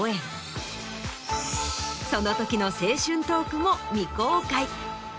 そのときの青春トークも未公開。